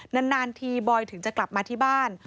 นานทีบอยถึงจะกลับมาที่บ้าน